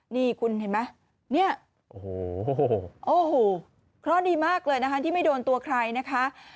นี่คุณเห็นไหมเนี่ยโอ้โหโอ้โหเคราะห์ดีมากเลยนะคะที่ไม่โดนตัวใครนะคะ